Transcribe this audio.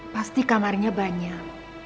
pasti kamarnya banyak